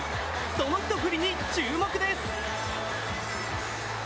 その一振りに注目です！